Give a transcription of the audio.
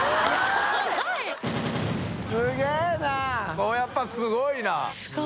ここやっぱすごいな。